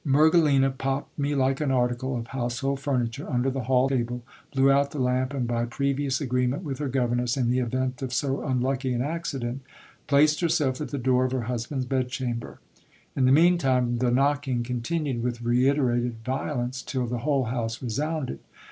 Merge lina popped me like an article of household furniture under the hall table, blew c ut the lamp, and, by previous agreement with her governess, in the event of sd unlucky an accident, placed herself at the door of her husband's bedchamber. In the mean time, the knocking continued with reiterated violence, till the vhole house resounded.